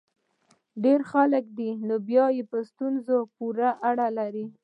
ډېر خلک دي؟ دا نو بیا په ستونزه پورې اړه لري.